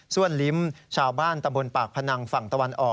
้วนลิ้มชาวบ้านตำบลปากพนังฝั่งตะวันออก